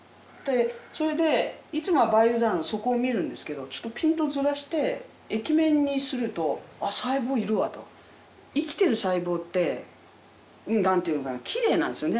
それでいつもは培養皿の底を見るんですけどちょっとピントをずらして液面にするとあっ細胞いるわと生きてる細胞って何て言うのかなきれいなんですよね